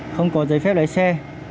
không có giấy phép lấy xe